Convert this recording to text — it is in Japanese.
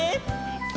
さあ